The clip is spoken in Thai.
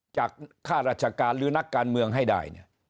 ข้าราชการหรือนักการเมืองให้ได้